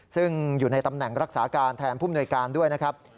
ซึ่งอยู่ในตำแหน่งรักษาการแทนผู้มนวยการด้วยนะครับ